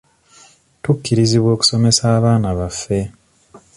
Tukubirizibwa okusomesa abaana baffe.